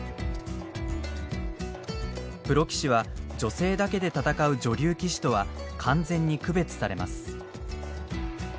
プロ棋士は女性だけで戦う女流棋士とは完全に区別されます。